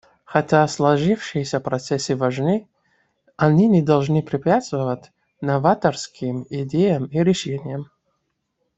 Хотя сложившиеся процессы важны, они не должны препятствовать новаторским идеям и решениям.